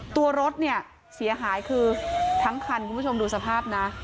ตัวรถเนี่ยเสียหายคือทั้งคันคุณผู้ชมดูสภาพนะ